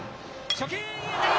初球、いい当たり！